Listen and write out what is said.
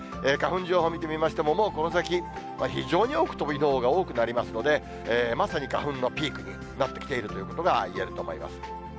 花粉情報見てみましても、もうこの先、非常に多く飛ぶ日のほうが多くなりますので、まさに花粉のピークになってきているということがいえると思います。